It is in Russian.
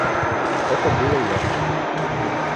Это было ясно.